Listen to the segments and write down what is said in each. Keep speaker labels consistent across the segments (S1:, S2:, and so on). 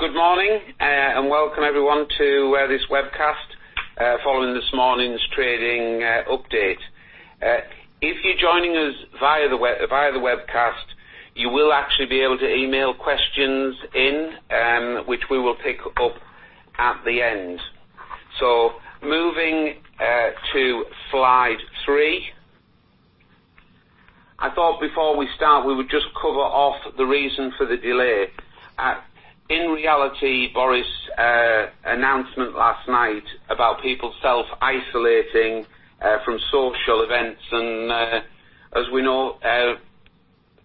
S1: Good morning, and welcome everyone to this webcast following this morning's trading update. If you're joining us via the webcast, you will actually be able to email questions in, which we will pick up at the end. Moving to slide three. I thought before we start, we would just cover off the reason for the delay. In reality, Boris announcement last night about people self-isolating from social events, and as we know,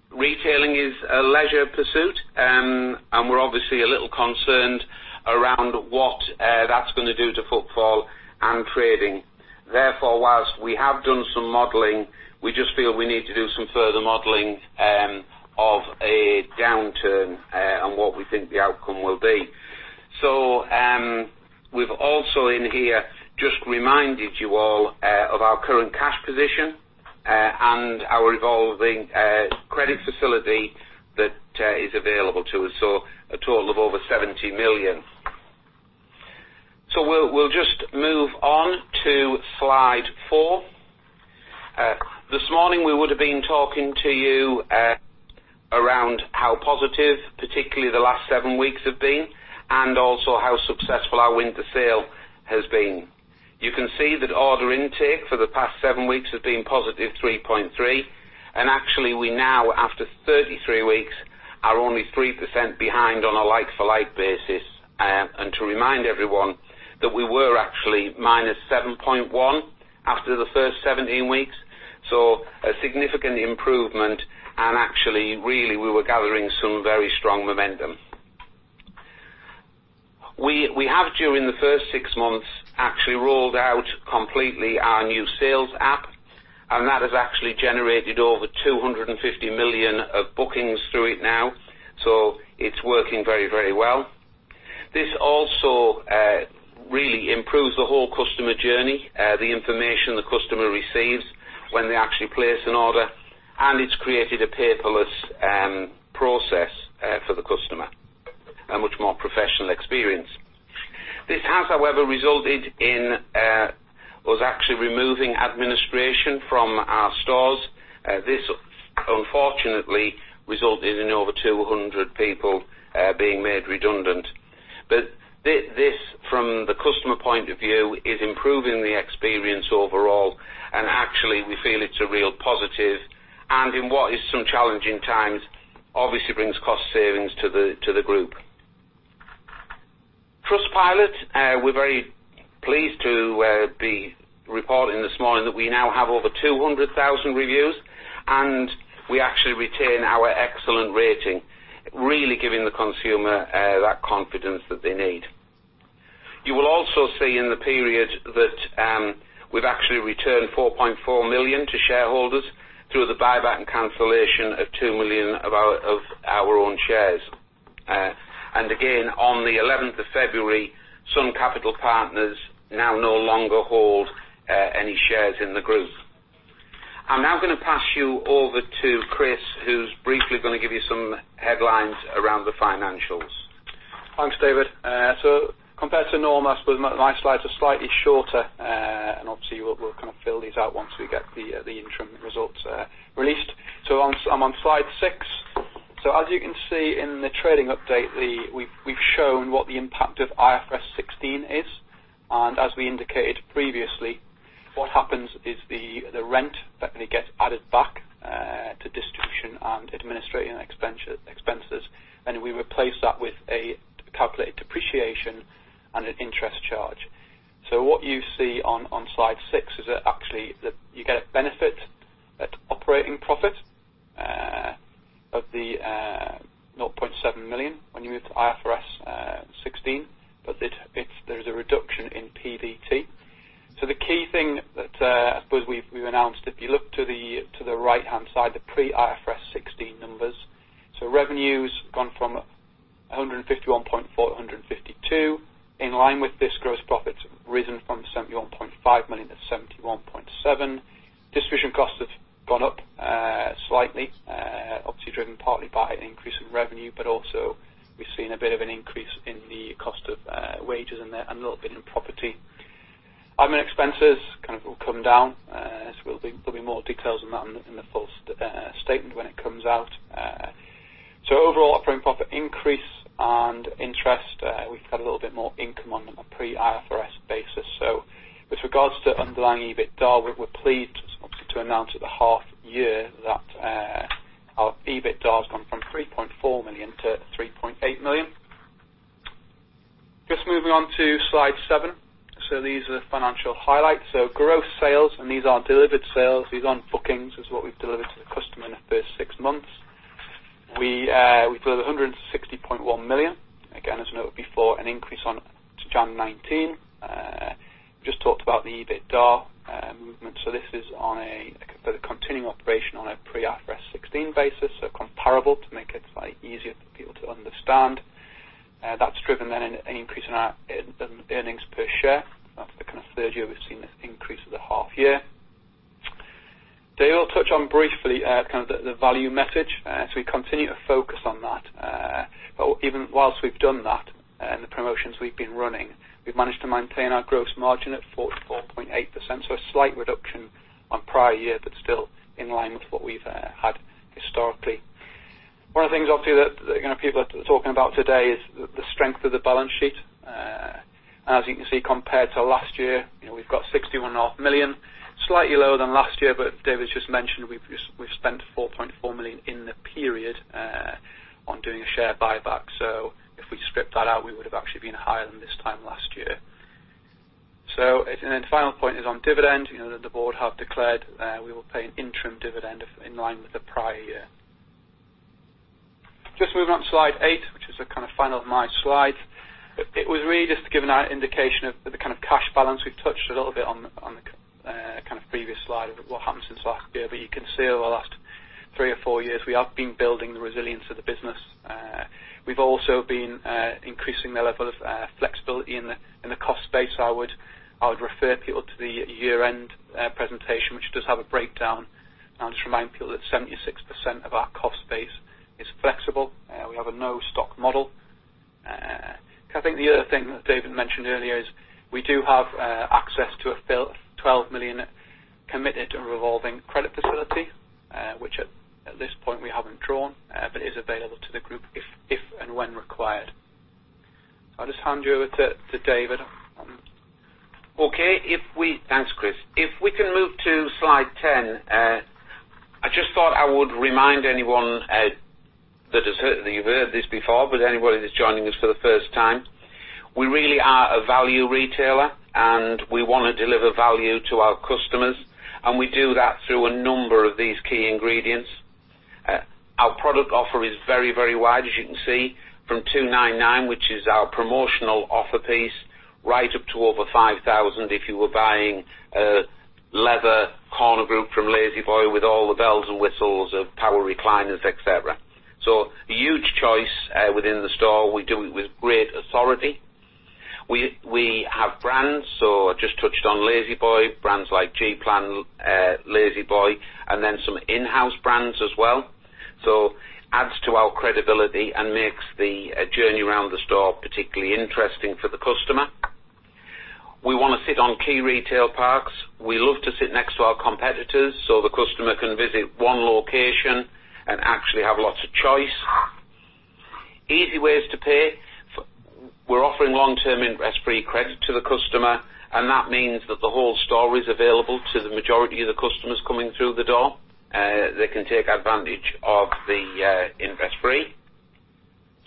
S1: retailing is a leisure pursuit, and we're obviously a little concerned around what that's going to do to footfall and trading. Therefore, whilst we have done some modelling, we just feel we need to do some further modelling of a downturn and what we think the outcome will be. We've also in here just reminded you all of our current cash position and our evolving credit facility that is available to us, so a total of over 70 million. We'll just move on to slide four. This morning, we would have been talking to you around how positive particularly the last seven weeks have been and also how successful our winter sale has been. You can see that order intake for the past seven weeks has been positive 3.3%, and actually, we now, after 33 weeks, are only 3% behind on a like-for-like basis. To remind everyone that we were actually -7.1% after the first 17 weeks, so a significant improvement, and actually, really, we were gathering some very strong momentum. We have, during the first six months, actually rolled out completely our new sales app, and that has actually generated over 250 million of bookings through it now, so it's working very, very well. This also really improves the whole customer journey, the information the customer receives when they actually place an order, and it's created a paperless process for the customer, a much more professional experience. This has, however, resulted in us actually removing administration from our stores. This unfortunately resulted in over 200 people being made redundant. From the customer point of view, this is improving the experience overall, and actually, we feel it's a real positive, and in what is some challenging times, obviously brings cost savings to the group. Trustpilot, we're very pleased to be reporting this morning that we now have over 200,000 reviews, and we actually retain our excellent rating, really giving the consumer that confidence that they need. You will also see in the period that we've actually returned 4.4 million to shareholders through the buyback and cancellation of 2 million of our own shares. On the 11th of February, Sun Capital Partners now no longer holds any shares in the group. I'm now going to pass you over to Chris, who's briefly going to give you some headlines around the financials.
S2: Thanks, David. Compared to normal, I suppose my slides are slightly shorter, and obviously, we'll kind of fill these out once we get the interim results released. I'm on slide six. As you can see in the trading update, we've shown what the impact of IFRS 16 is, and as we indicated previously, what happens is the rent gets added back to distribution and administrative expenses, and we replace that with a calculated depreciation and an interest charge. What you see on slide six is that actually you get a benefit at operating profit of 0.7 million when you move to IFRS 16, but there's a reduction in PBT. The key thing that I suppose we've announced, if you look to the right-hand side, the pre-IFRS 16 numbers, revenue has gone from 151.4 million to 152 million. In line with this, gross profits risen from 71.5 million to 71.7 million. Distribution costs have gone up slightly, obviously driven partly by an increase in revenue, but also we've seen a bit of an increase in the cost of wages and a little bit in property. Admin expenses kind of will come down. There'll be more details on that in the full statement when it comes out. Overall, operating profit increase and interest, we've had a little bit more income on a pre-IFRS-basis. With regards to underlying EBITDA, we're pleased to announce at the half year that our EBITDA has gone from 3.4 million to 3.8 million. Just moving on to slide seven. These are the financial highlights. Gross sales, and these aren't delivered sales. These aren't bookings. This is what we've delivered to the customer in the first six months. We delivered 160.1 million, again, as noted before, an increase on to January 2019. We just talked about the EBITDA movement, so this is on a continuing operation on a pre-IFRS 16 basis, so comparable to make it easier for people to understand. That's driven then an increase in our earnings per share. That's the kind of third year we've seen this increase of the half year. Today, we'll touch on briefly kind of the value message, so we continue to focus on that. Even whilst we've done that and the promotions we've been running, we've managed to maintain our gross margin at 44.8%, so a slight reduction on prior year, but still in line with what we've had historically. One of the things, obviously, that people are talking about today is the strength of the balance sheet. As you can see, compared to last year, we've got 61.5 million, slightly lower than last year, but David's just mentioned we've spent 4.4 million in the period on doing a share buyback, so if we stripped that out, we would have actually been higher than this time last year. The final point is on dividend. The board have declared we will pay an interim dividend in line with the prior year. Just moving on to slide eight, which is the kind of final of my slides. It was really just to give an indication of the kind of cash balance. We've touched a little bit on the kind of previous slide of what happened since last year, but you can see over the last three or four years, we have been building the resilience of the business. We've also been increasing the level of flexibility in the cost space. I would refer people to the year-end presentation, which does have a breakdown. I'll just remind people that 76% of our cost space is flexible. We have a no-stock model. I think the other thing that David mentioned earlier is we do have access to a 12 million committed and revolving credit facility, which at this point we haven't drawn, but is available to the group if and when required. I'll just hand you over to David.
S1: Okay. Thanks, Chris. If we can move to slide 10, I just thought I would remind anyone that you've heard this before, but anybody that's joining us for the first time, we really are a value retailer, and we want to deliver value to our customers, and we do that through a number of these key ingredients. Our product offer is very, very wide, as you can see, from 299, which is our promotional offer piece, right up to over 5,000 if you were buying a leather corner group from La-Z-Boy with all the bells and whistles of power recliners, etc. A huge choice within the store. We do it with great authority. We have brands, so I just touched on La-Z-Boy, brands like G Plan, La-Z-Boy, and then some in-house brands as well. It adds to our credibility and makes the journey around the store particularly interesting for the customer. We want to sit on key retail parks. We love to sit next to our competitors so the customer can visit one location and actually have lots of choice. Easy ways to pay. We are offering long-term interest-free credit to the customer, and that means that the whole store is available to the majority of the customers coming through the door. They can take advantage of the interest-free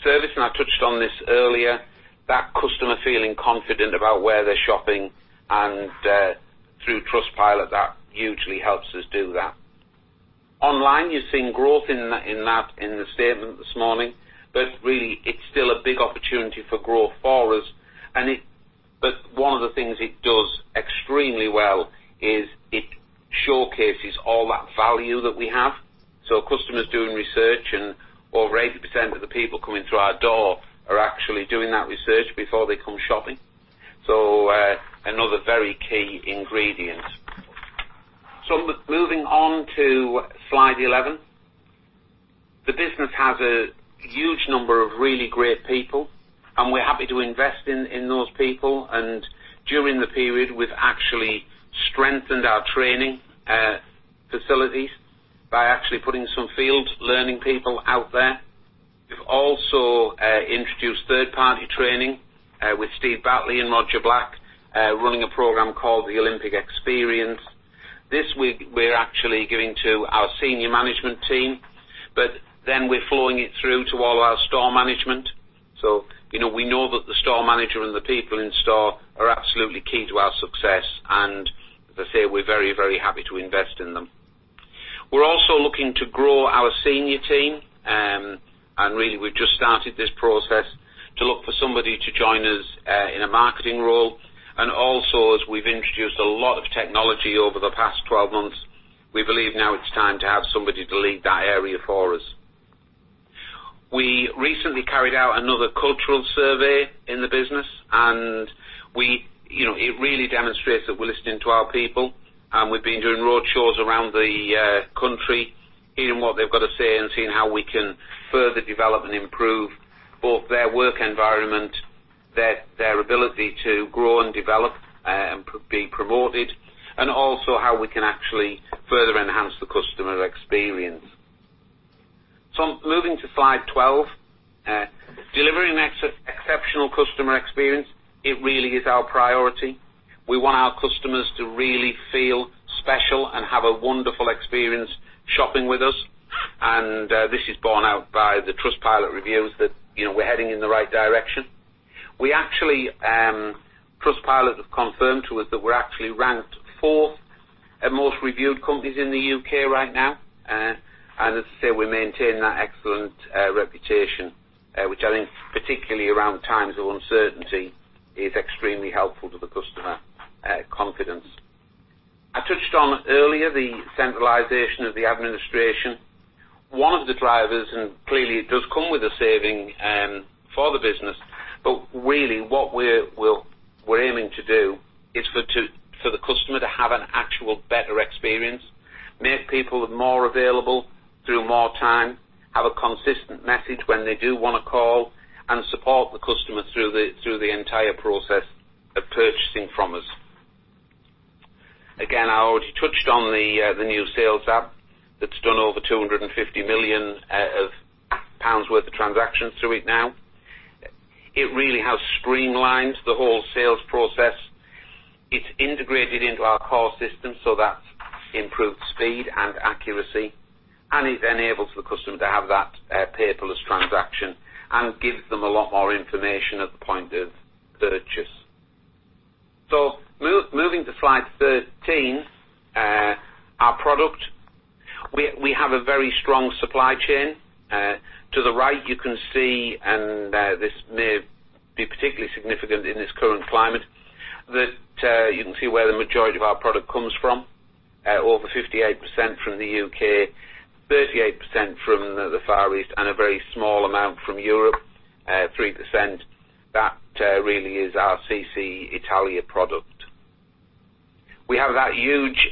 S1: service, and I touched on this earlier, that customer feeling confident about where they are shopping, and through Trustpilot, that usually helps us do that. Online, you have seen growth in that in the statement this morning, but really, it is still a big opportunity for growth for us. One of the things it does extremely well is it showcases all that value that we have. Customers doing research, and over 80% of the people coming through our door are actually doing that research before they come shopping. Another very key ingredient. Moving on to slide 11, the business has a huge number of really great people, and we're happy to invest in those people. During the period, we've actually strengthened our training facilities by actually putting some field learning people out there. We've also introduced third-party training with Steve Bartley and Roger Black, running a program called the Olympic Experience. This week, we're actually giving to our senior management team, but then we're flowing it through to all our store management. We know that the store manager and the people in store are absolutely key to our success, and as I say, we're very, very happy to invest in them. We're also looking to grow our senior team, and really, we've just started this process to look for somebody to join us in a marketing role. Also, as we've introduced a lot of technology over the past 12 months, we believe now it's time to have somebody to lead that area for us. We recently carried out another cultural survey in the business, and it really demonstrates that we're listening to our people, and we've been doing roadshows around the country, hearing what they've got to say and seeing how we can further develop and improve both their work environment, their ability to grow and develop and be promoted, and also how we can actually further enhance the customer experience. Moving to slide 12, delivering exceptional customer experience, it really is our priority. We want our customers to really feel special and have a wonderful experience shopping with us, and this is borne out by the Trustpilot reviews that we're heading in the right direction. Trustpilot have confirmed to us that we're actually ranked fourth amongst reviewed companies in the U.K. right now, and as I say, we maintain that excellent reputation, which I think particularly around times of uncertainty is extremely helpful to the customer confidence. I touched on earlier the centralization of the administration. One of the drivers, and clearly, it does come with a saving for the business, but really, what we're aiming to do is for the customer to have an actual better experience, make people more available through more time, have a consistent message when they do want to call, and support the customer through the entire process of purchasing from us. Again, I already touched on the new sales app that's done over 250 million pounds worth of transactions through it now. It really has streamlined the whole sales process. It's integrated into our core system so that improves speed and accuracy, and it enables the customer to have that paperless transaction and gives them a lot more information at the point of purchase. Moving to slide 13, our product, we have a very strong supply chain. To the right, you can see, and this may be particularly significant in this current climate, that you can see where the majority of our product comes from, over 58% from the U.K., 38% from the Far East, and a very small amount from Europe, 3%. That really is our CC Italia product. We have that huge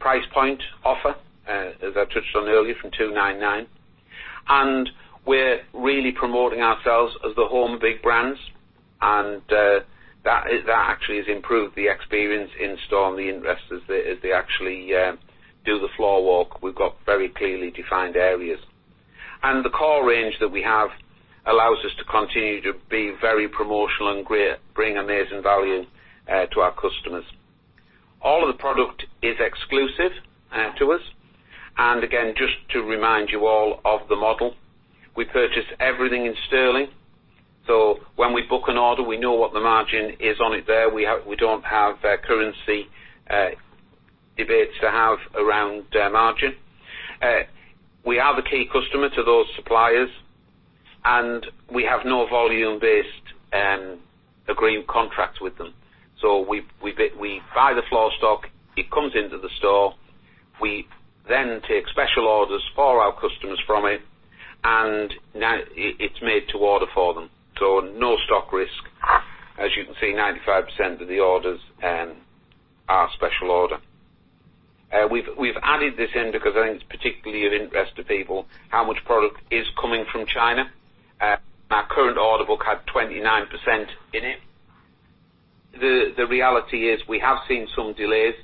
S1: price point offer, as I touched on earlier, from 299, and we're really promoting ourselves as the home of big brands, and that actually has improved the experience in store and the interest as they actually do the floor walk. We've got very clearly defined areas. The core range that we have allows us to continue to be very promotional and bring amazing value to our customers. All of the product is exclusive to us, and again, just to remind you all of the model, we purchase everything in sterling. When we book an order, we know what the margin is on it there. We do not have currency debates to have around margin. We are the key customer to those suppliers, and we have no volume-based agreed contracts with them. We buy the floor stock, it comes into the store, we then take special orders for our customers from it, and it's made to order for them. No stock risk. As you can see, 95% of the orders are special order. We've added this in because I think it's particularly of interest to people how much product is coming from China. Our current order book had 29% in it. The reality is we have seen some delays,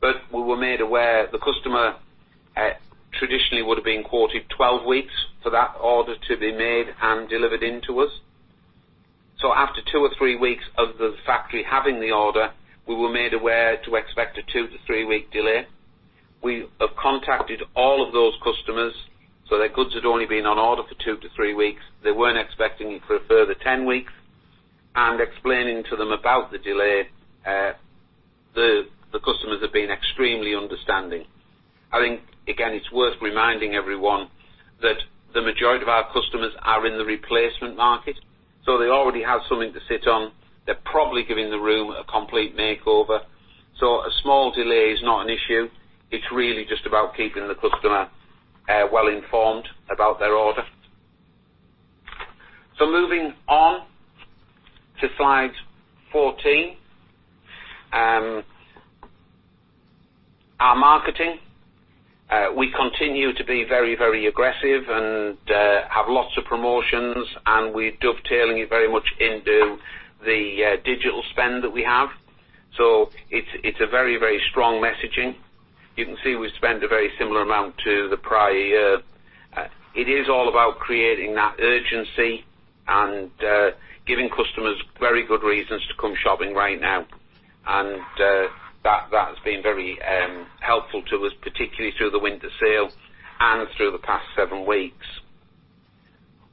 S1: but we were made aware the customer traditionally would have been quoted 12 weeks for that order to be made and delivered into us. After two or three weeks of the factory having the order, we were made aware to expect a two to three week delay. We have contacted all of those customers, so their goods had only been on order for two to three weeks. They weren't expecting it for a further 10 weeks. Explaining to them about the delay, the customers have been extremely understanding. I think, again, it's worth reminding everyone that the majority of our customers are in the replacement market, so they already have something to sit on. They're probably giving the room a complete makeover. A small delay is not an issue. It's really just about keeping the customer well-informed about their order. Moving on to slide 14, our marketing. We continue to be very, very aggressive and have lots of promotions, and we're dovetailing it very much into the digital spend that we have. It's a very, very strong messaging. You can see we've spent a very similar amount to the prior year. It is all about creating that urgency and giving customers very good reasons to come shopping right now. That has been very helpful to us, particularly through the winter sale and through the past seven weeks.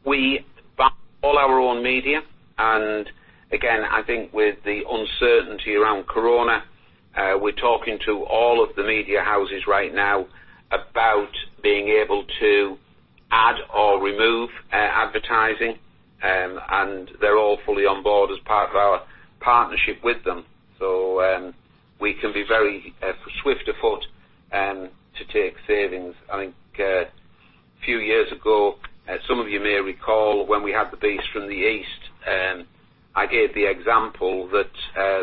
S1: We buy all our own media, and again, I think with the uncertainty around corona, we're talking to all of the media houses right now about being able to add or remove advertising, and they're all fully on board as part of our partnership with them. We can be very swift afoot to take savings. I think a few years ago, some of you may recall when we had the beast from the east, I gave the example that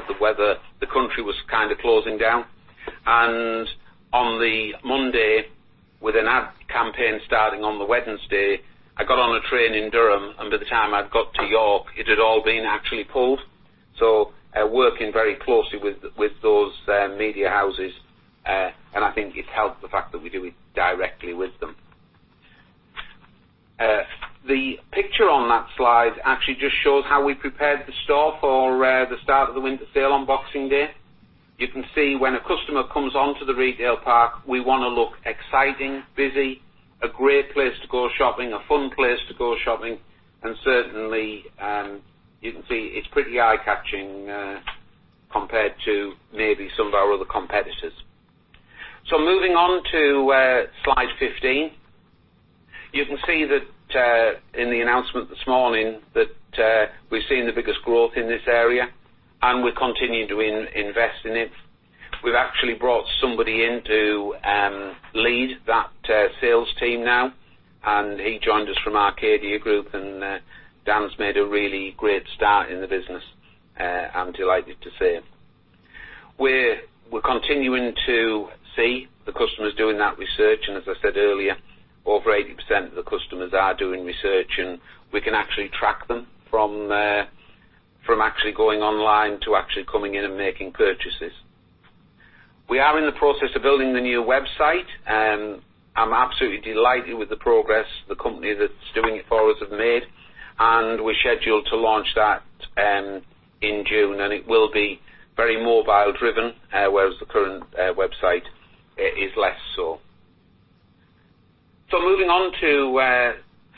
S1: the weather, the country was kind of closing down. On the Monday, with an ad campaign starting on the Wednesday, I got on a train in Durham, and by the time I got to York, it had all been actually pulled. Working very closely with those media houses, and I think it's helped the fact that we do it directly with them. The picture on that slide actually just shows how we prepared the store for the start of the winter sale on Boxing Day. You can see when a customer comes onto the retail park, we want to look exciting, busy, a great place to go shopping, a fun place to go shopping, and certainly, you can see it's pretty eye-catching compared to maybe some of our other competitors. Moving on to slide 15, you can see that in the announcement this morning that we've seen the biggest growth in this area, and we're continuing to invest in it. We've actually brought somebody in to lead that sales team now, and he joined us from KDA Group, and Dan's made a really great start in the business. I'm delighted to see him. We're continuing to see the customers doing that research, and as I said earlier, over 80% of the customers are doing research, and we can actually track them from actually going online to actually coming in and making purchases. We are in the process of building the new website. I'm absolutely delighted with the progress the company that's doing it for us has made, and we're scheduled to launch that in June, and it will be very mobile-driven, whereas the current website is less so. Moving on to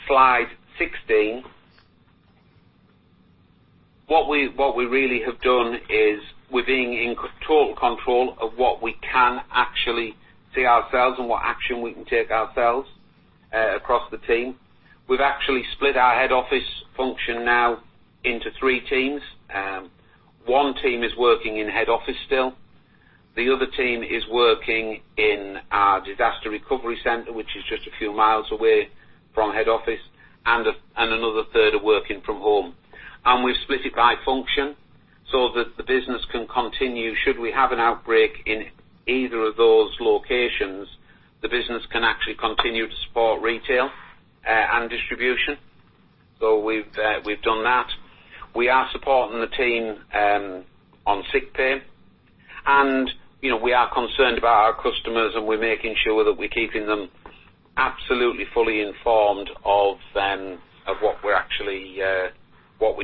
S1: slide 16, what we really have done is we're being in total control of what we can actually see ourselves and what action we can take ourselves across the team. We've actually split our head office function now into three teams. One team is working in head office still. The other team is working in our disaster recovery center, which is just a few miles away from head office, and another third are working from home. We have split it by function so that the business can continue should we have an outbreak in either of those locations. The business can actually continue to support retail and distribution. We have done that. We are supporting the team on sick pay, and we are concerned about our customers, and we are making sure that we are keeping them absolutely fully informed of what we are actually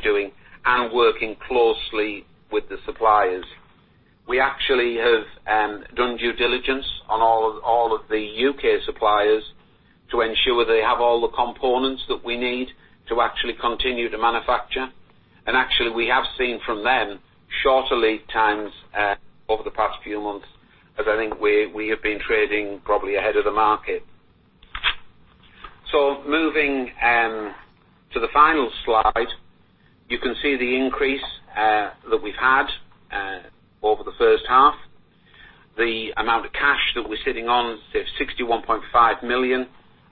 S1: doing and working closely with the suppliers. We actually have done due diligence on all of the U.K. suppliers to ensure they have all the components that we need to actually continue to manufacture. Actually, we have seen from them shorter lead times over the past few months, as I think we have been trading probably ahead of the market. Moving to the final slide, you can see the increase that we've had over the first half. The amount of cash that we're sitting on, 61.5 million,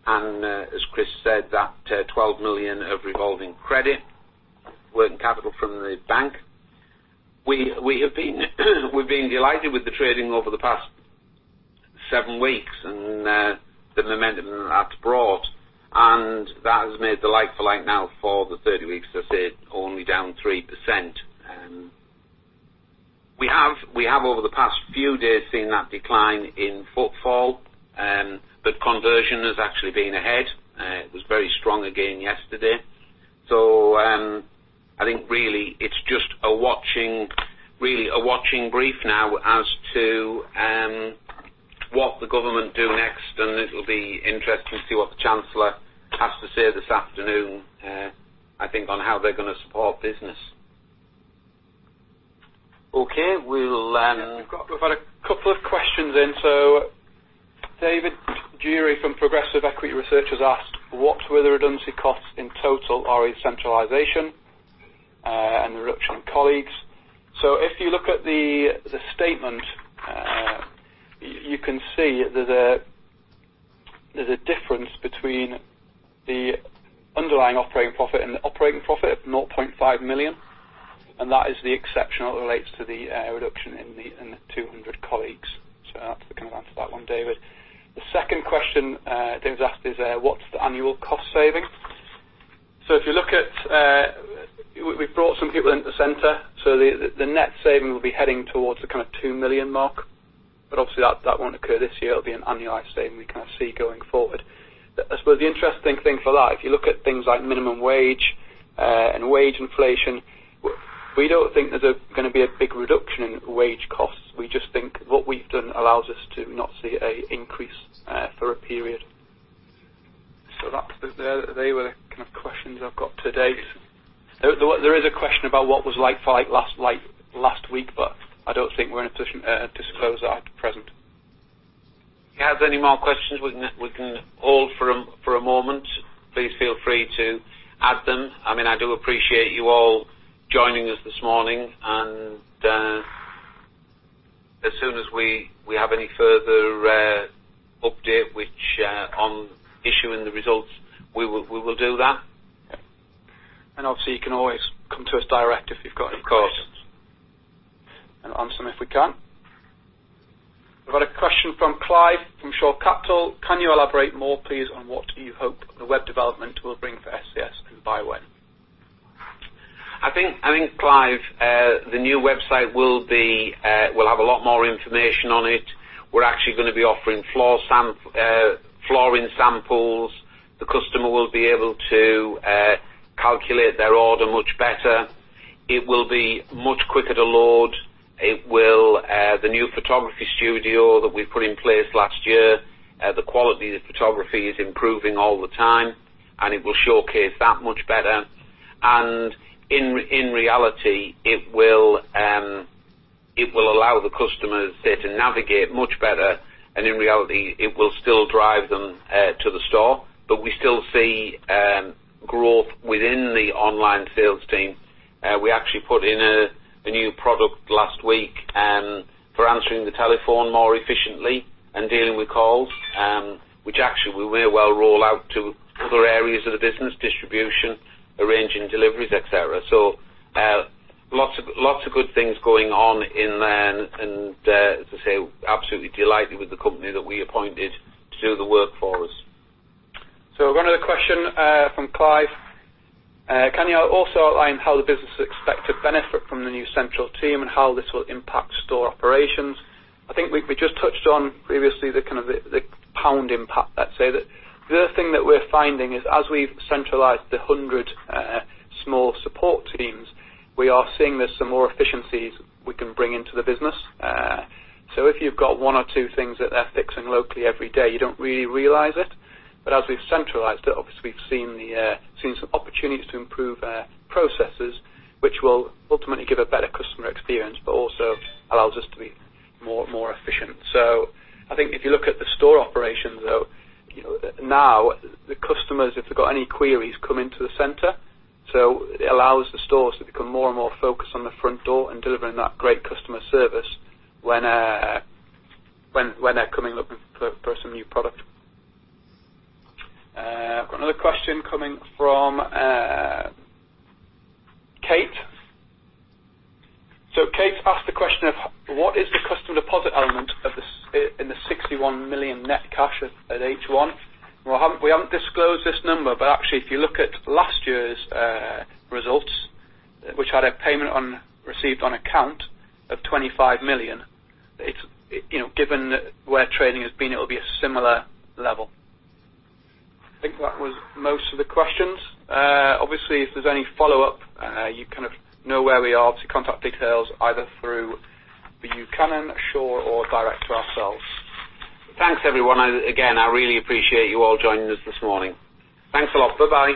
S1: and as Chris said, that 12 million of revolving credit, working capital from the bank. We've been delighted with the trading over the past seven weeks and the momentum that's brought, and that has made the like-for-like now for the 30 weeks, as I say, only down 3%. We have, over the past few days, seen that decline in footfall, but conversion has actually been ahead. It was very strong again yesterday. I think really it's just a watching brief now as to what the government do next, and it'll be interesting to see what the Chancellor has to say this afternoon, I think, on how they're going to support business.
S2: Okay. We've got a couple of questions in. David Jury from Progressive Equity Research has asked, what were the redundancy costs in total or in centralization and the reduction in colleagues? If you look at the statement, you can see there's a difference between the underlying operating profit and the operating profit of 0.5 million, and that is the exception that relates to the reduction in the 200 colleagues. That's the kind of answer to that one, David. The second question David's asked is, what's the annual cost saving?
S1: If you look at we've brought some people into the center, the net saving will be heading towards the kind of 2 million mark, but obviously, that will not occur this year. It will be an annualized saving we kind of see going forward. I suppose the interesting thing for that, if you look at things like minimum wage and wage inflation, we do not think there is going to be a big reduction in wage costs. We just think what we have done allows us to not see an increase for a period. They were the kind of questions I have got to date. There is a question about what was like for last week, but I do not think we are in a position to disclose that at the present. If you have any more questions, we can hold for a moment. Please feel free to add them. I mean, I do appreciate you all joining us this morning, and as soon as we have any further update on issuing the results, we will do that. Obviously, you can always come to us direct if you've got any questions. Of course, and answer them if we can.
S2: We've got a question from Clive from Shore Capital. Can you elaborate more, please, on what you hope the web development will bring for ScS and by when?
S1: I think, Clive, the new website will have a lot more information on it. We're actually going to be offering flooring samples. The customer will be able to calculate their order much better. It will be much quicker to load. The new photography studio that we've put in place last year, the quality of the photography is improving all the time, and it will showcase that much better. In reality, it will allow the customers, say, to navigate much better, and in reality, it will still drive them to the store. We still see growth within the online sales team. We actually put in a new product last week for answering the telephone more efficiently and dealing with calls, which actually will roll out to other areas of the business: distribution, arranging deliveries, etc. Lots of good things going on in there, and as I say, absolutely delighted with the company that we appointed to do the work for us.
S2: We have another question from Clive. Can you also outline how the business is expected to benefit from the new central team and how this will impact store operations? I think we just touched on previously the kind of pound impact, let's say. The other thing that we're finding is, as we've centralized the 100 small support teams, we are seeing there's some more efficiencies we can bring into the business. If you've got one or two things that they're fixing locally every day, you don't really realize it. As we've centralized it, obviously, we've seen some opportunities to improve processes, which will ultimately give a better customer experience, but also allows us to be more efficient. I think if you look at the store operations, though, now, the customers, if they've got any queries, come into the center. It allows the stores to become more and more focused on the front door and delivering that great customer service when they're coming looking for some new product. I've got another question coming from Kate. Kate asked the question of, what is the customer deposit element in the 61 million net cash at H1? We haven't disclosed this number, but actually, if you look at last year's results, which had a payment received on account of 25 million, given where trading has been, it'll be a similar level. I think that was most of the questions. Obviously, if there's any follow-up, you kind of know where we are. Obviously, contact details either through the UConn onshore, or direct to ourselves.
S1: Thanks, everyone. Again, I really appreciate you all joining us this morning.
S2: Thanks a lot. Bye-bye.